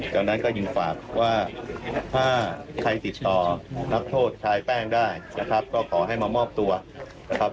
ดังนั้นก็ยิ่งฝากว่าถ้าใครติดต่อนักโทษชายแป้งได้นะครับก็ขอให้มามอบตัวนะครับ